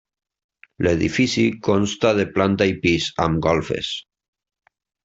L'edifici consta de planta i pis, amb golfes.